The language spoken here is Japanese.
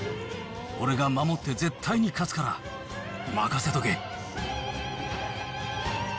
俺が守って絶対に勝つから、任せとけ。